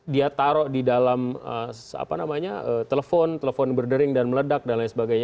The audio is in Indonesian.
dia taruh di dalam telepon telepon berdering dan meledak dan lain sebagainya